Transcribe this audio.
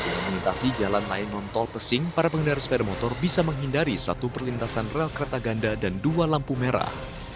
dengan melintasi jalan lain non tol pesing para pengendara sepeda motor bisa menghindari satu perlintasan rel kereta ganda dan dua lampu merah